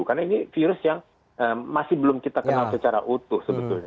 karena ini virus yang masih belum kita kenal secara utuh sebetulnya